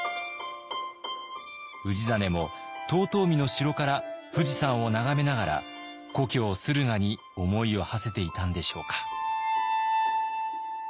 氏真も遠江の城から富士山を眺めながら故郷駿河に思いをはせていたんでしょうか。